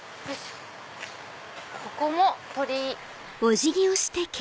ここも鳥居。